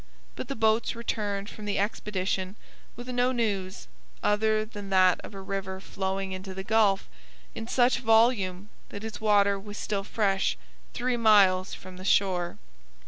But the boats returned from the expedition with no news other than that of a river flowing into the Gulf, in such volume that its water was still fresh three miles from the shore.